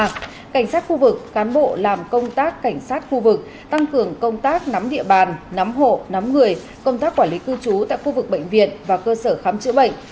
cảnh sát khu vực cán bộ làm công tác cảnh sát khu vực tăng cường công tác nắm địa bàn nắm hộ nắm người công tác quản lý cư trú tại khu vực bệnh viện và cơ sở khám chữa bệnh